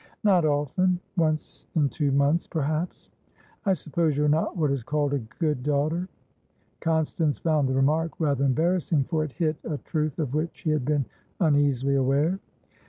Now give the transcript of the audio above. "Not often. Once in two months, perhaps." "I suppose you are not what is called a good daughter?" Constance found the remark rather embarrassing, for it hit a truth of which she had been uneasily aware.